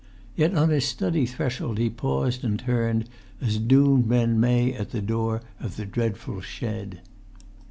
Yet on his study threshold he paused and turned, as doomed men may at the door of the dreadful shed.